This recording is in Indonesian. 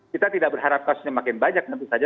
kita tidak berharap kasusnya makin banyak tentu saja